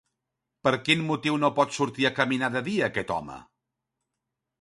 Per quin motiu no pot sortir a caminar de dia, aquest home?